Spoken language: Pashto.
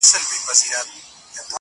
بېغمه; غمه د هغې; هغه چي بيا ياديږي